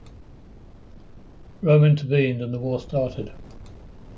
Rome intervened and the war started.